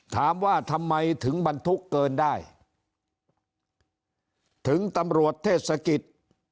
ถามว่าทำไมถึงบรรทุกเกินได้ถึงตำรวจเทศกิจ